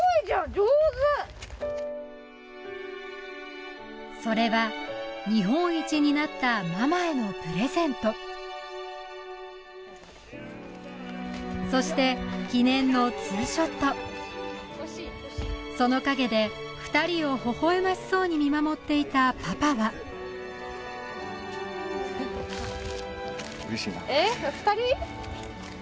上手それは日本一になったママへのプレゼントそして記念のツーショットその陰で２人をほほえましそうに見守っていたパパは嬉しいなえっ２人？